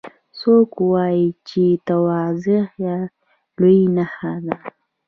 څوک وایي چې تواضع د لویۍ نښه ده